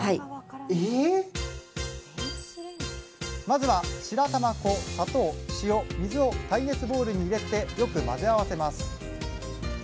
まずは白玉粉砂糖塩水を耐熱ボウルに入れてよく混ぜ合わせます。